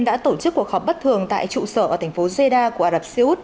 tổ chức đã tổ chức cuộc họp bất thường tại trụ sở ở thành phố jeddah của ả rập xê út